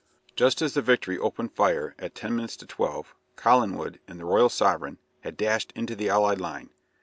Just as the "Victory" opened fire, at ten minutes to twelve, Collingwood, in the "Royal Sovereign," had dashed into the allied line.